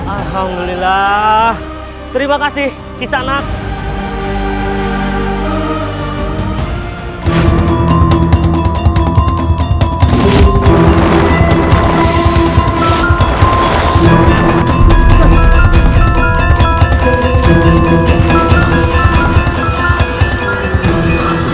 akan aku laksanakan